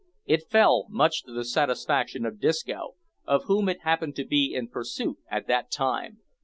It fell, much to the satisfaction of Disco, of whom it happened to be in pursuit at the time.